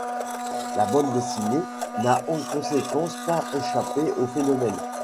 La bande dessinée n'a en conséquence pas échappé au phénomène.